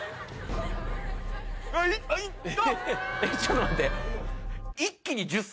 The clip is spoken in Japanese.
ちょっと待って。